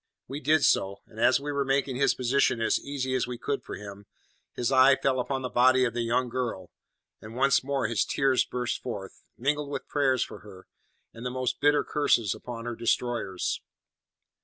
We did so; and as we were making his position as easy as we could for him, his eye fell upon the body of the young girl, and once more his tears burst forth, mingled with prayers for her, and the most bitter curses upon her destroyers.